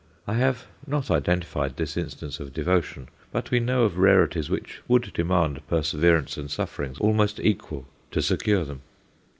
I have not identified this instance of devotion, but we know of rarities which would demand perseverance and sufferings almost equal to secure them.